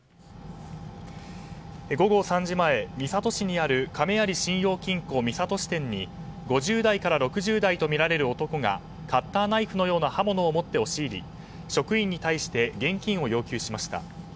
午後３時前、三郷市にある亀有信用金庫三郷支店に５０代から６０代とみられる男がカッターナイフのような刃物を持って押し入り職員に対して現金を要求しました。